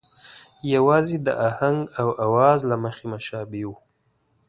یوازې د آهنګ او آواز له مخې مشابه وو.